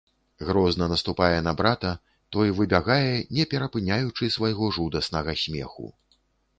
Грозна наступае на брата, той выбягае, не перапыняючы свайго жудаснага смеху.